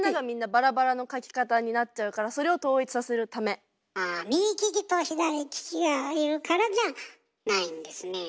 そこでそれをあ右利きと左利きがいるからじゃないんですねえ。